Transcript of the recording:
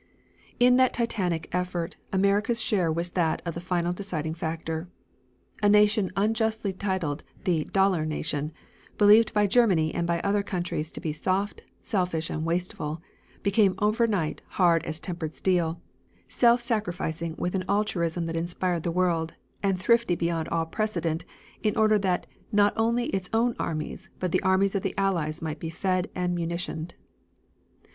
In that titanic effort, America's share was that of the final deciding factor. A nation unjustly titled the "Dollar Nation," believed by Germany and by other countries to be soft, selfish and wasteful, became over night hard as tempered steel, self sacrificing with an altruism that inspired the world and thrifty beyond all precedent in order that not only its own armies but the armies of the Allies might be fed and munitioned.